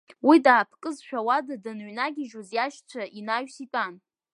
Уи даапкызшәа ауада даныҩнагьежьуаз иашьцәагьы инаҩс итәан.